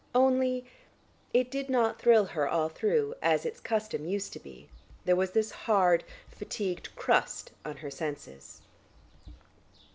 Only, it did not thrill her all through, as its custom used to be; there was this hard, fatigued crust on her senses....